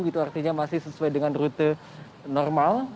itu artinya masih sesuai dengan rute normal